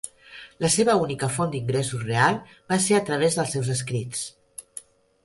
La seva única font d'ingressos real va ser a través dels seus escrits.